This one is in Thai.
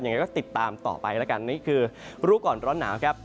ยังไงก็ติดตามต่อไปแล้วกันนี่คือรู้ก่อนร้อนหนาวครับ